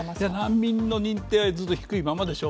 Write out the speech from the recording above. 難民の認定はずっと低いままでしょう。